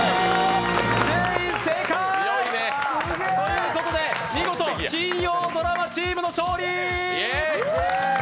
全員正解！ということで、見事、金曜ドラマチームの勝利！